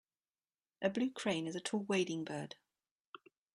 A blue crane is a tall wading bird.